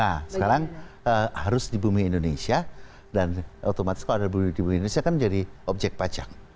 nah sekarang harus di bumi indonesia dan otomatis kalau ada di bumi indonesia kan jadi objek pajak